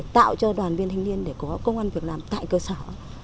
tạo cho đoàn viên thanh niên để có công an việc làm tại cơ sở